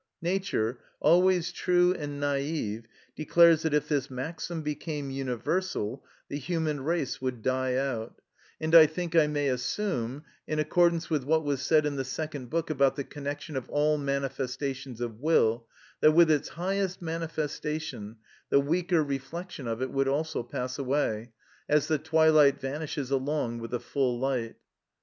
Nature, always true and naïve, declares that if this maxim became universal, the human race would die out; and I think I may assume, in accordance with what was said in the Second Book about the connection of all manifestations of will, that with its highest manifestation, the weaker reflection of it would also pass away, as the twilight vanishes along with the full light.